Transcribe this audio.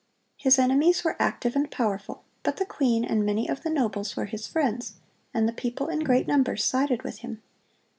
His enemies were active and powerful, but the queen and many of the nobles were his friends, and the people in great numbers sided with him.